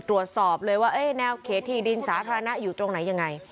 ตรวจสอบเลยว่าแนวเขตที่ดินสาธารณะอยู่ตรงไหนยังไง